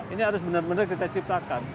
ini harus benar benar kita ciptakan